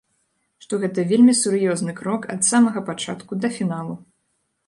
Што гэта вельмі сур'ёзны крок ад самага пачатку да фіналу.